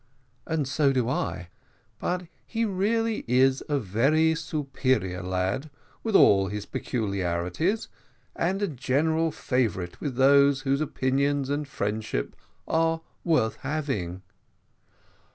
"And so do I: but he really is a very superior lad, with all his peculiarities, and a general favourite with those whose opinions and friendship are worth having."